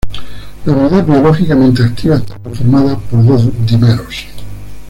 La unidad biológicamente activa está conformada por dos dímeros.